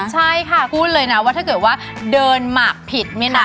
ใช่ค่ะกูรู้เลยนะว่าถ้าเกิดว่าเดินหมักผิดไหมนะ